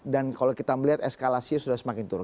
dan kalau kita melihat eskalasi sudah semakin turun